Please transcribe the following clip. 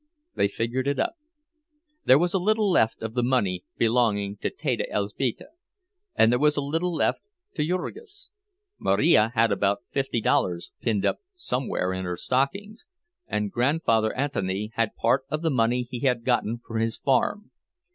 They figured it up. There was a little left of the money belonging to Teta Elzbieta, and there was a little left to Jurgis. Marija had about fifty dollars pinned up somewhere in her stockings, and Grandfather Anthony had part of the money he had gotten for his farm.